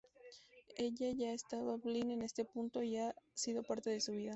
Ella ya estaba Blind en este punto y ha sido parte de su vida.